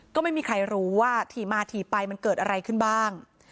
ก็ไม่มีใครรู้ว่าถี่มาถี่ไปมันเกิดอะไรขึ้นบ้าง